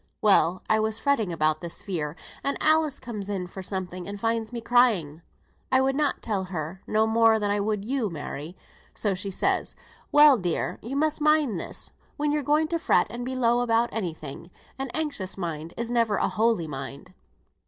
Well, I was fretting about this fear, and Alice comes in for something, and finds me crying. I would not tell her no more than I would you, Mary; so she says, 'Well, dear, you must mind this, when you're going to fret and be low about any thing, "An anxious mind is never a holy mind."'